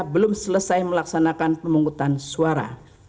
belum selesai melaksanakan pemungutan suara